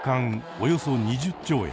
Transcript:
およそ２０兆円。